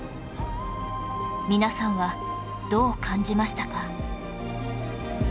皆さんはどう感じましたか？